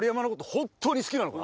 本当に好きなのか？